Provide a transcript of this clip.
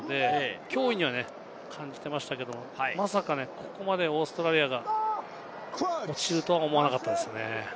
脅威には感じていましたけれども、まさかここまでオーストラリアが落ちるとは思わなかったですね。